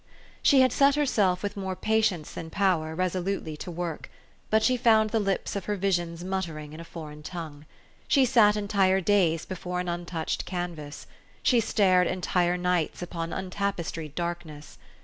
She had set herself, with more patience than power, resolutely to work ; but she found the lips of her visions muttering in a foreign tongue. She sat entire days before an untouched canvas. She stared entire nights upon untapestried darkness.